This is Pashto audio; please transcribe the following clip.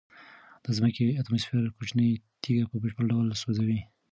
د ځمکې اتموسفیر کوچنۍ تیږې په بشپړ ډول سوځوي.